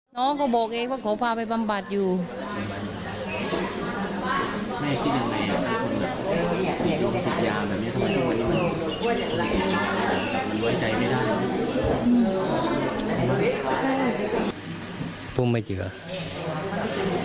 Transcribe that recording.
สำิงที่ปราชาไม่จ้าอัตโตไม่ได้เฉียบ